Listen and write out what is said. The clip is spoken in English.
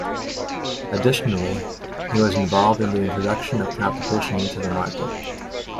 Additionally, he was involved in the introduction of competition into the market.